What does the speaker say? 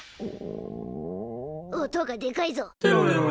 音がでかいぞ。